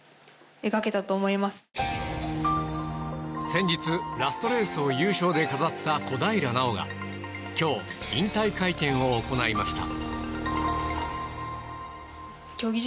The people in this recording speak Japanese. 先日、ラストレースを優勝で飾った小平奈緒が今日、引退会見を行いました。